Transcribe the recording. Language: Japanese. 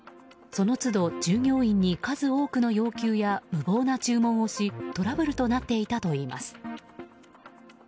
その都度、従業員に数多くの要求や無謀な注文をしトラブルとなっていたといいます。